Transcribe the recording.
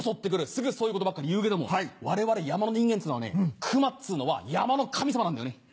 すぐそういうことばっかり言うけども我々山の人間っつうのはね熊っつうのは山の神様なんだよね。